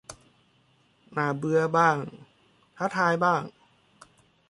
น่าเบื่อบ้าง ท้าทายบ้าง